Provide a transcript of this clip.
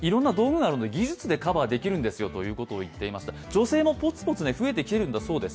女性もポツポツ増えてきているんだそうです。